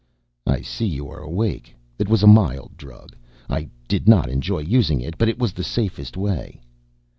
"I see you are awake. It was a mild drug. I did not enjoy using it, but it was the safest way."